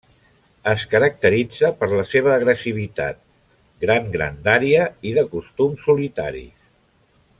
Es caracteritza per la seva agressivitat, gran grandària i de costums solitaris.